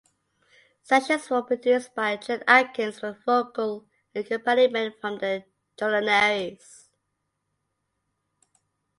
Sessions were produced by Chet Atkins with vocal accompaniment from The Jordanaires.